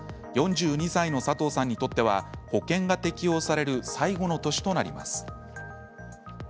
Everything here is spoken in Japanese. ４２歳の佐藤さんにとっては保険が適用される最後の年となります。